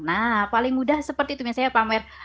nah paling mudah seperti itu misalnya pamer